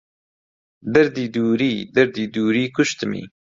دەردی دووری... دەردی دووری کوشتمی